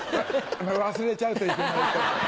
忘れちゃうといけないと思って。